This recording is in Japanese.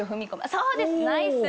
そうですナイス！